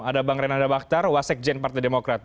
ada bang renanda bakhtar wasek jen partai demokrat